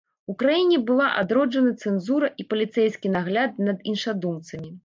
У краіне была адроджана цэнзура і паліцэйскі нагляд над іншадумцамі.